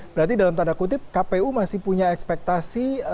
berarti dalam tanda kutip kpu masih punya ekspektasi